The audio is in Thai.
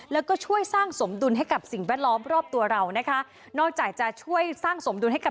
แล้วก็ช่วยสร้างสมดุลให้กับสิ่งแวดล้อมรอบตัวเรานะคะ